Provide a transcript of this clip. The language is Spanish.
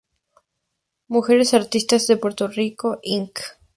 Mujeres Artistas de Puerto Rico, Inc.